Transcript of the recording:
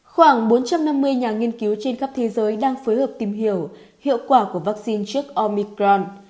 khoảng bốn trăm năm mươi nhà nghiên cứu trên khắp thế giới đang phối hợp tìm hiểu hiệu quả của vaccine trước omicron